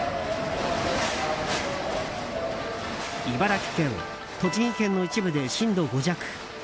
茨城県、栃木県の一部で震度５弱。